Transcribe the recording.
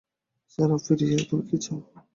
Sarah Fier, তুমি কি চাও?